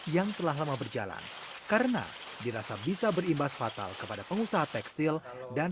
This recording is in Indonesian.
yang telah lama berjalan karena dirasa bisa berimbas fatal kepada pengusaha tekstil dan